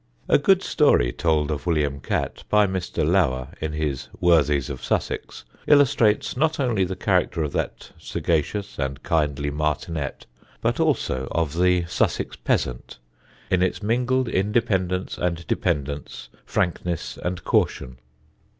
A good story told of William Catt, by Mr. Lower, in his Worthies of Sussex, illustrates not only the character of that sagacious and kindly martinet, but also of the Sussex peasant in its mingled independence and dependence, frankness and caution.